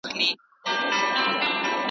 ایا نوي کروندګر وچ زردالو پروسس کوي؟